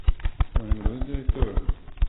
One Good Turn